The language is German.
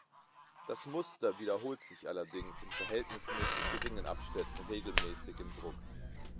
Das Muster wiederholt sich allerdings in verhältnismäßig geringen Abständen regelmäßig im Druck.